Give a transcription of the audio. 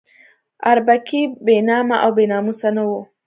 اربکی بې نامه او بې ناموسه نه وو.